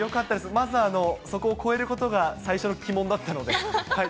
まずはそこを超えることが最初の鬼門だったので。